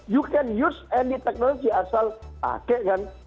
you can use andy technology asal pakai kan